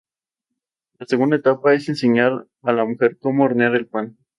La segunda etapa es enseñar a la mujer cómo hornear el pan.